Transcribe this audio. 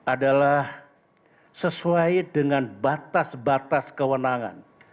adalah sesuai dengan batas batas kewenangan